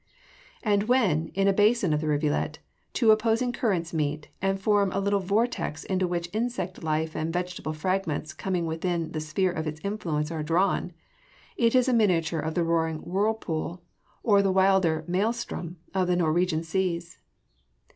And when, in a basin of the rivulet, two opposing currents meet, and form a little vortex into which insect life and vegetable fragments coming within the sphere of its influence are drawn, it is a miniature of the roaring whirlpool, or the wilder maelstrom of the Norwegian seas.